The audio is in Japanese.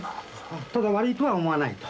ただ「悪いとは思わない」と？